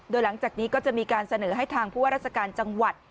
โดยหลังจากนี้ก็จะมีการเสนอให้ทางผู้ว่าราชการจังหวัด